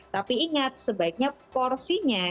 tapi ingat sebaiknya porsinya